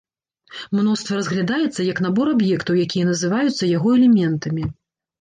Мноства разглядаецца як набор аб'ектаў, якія называюць яго элементамі.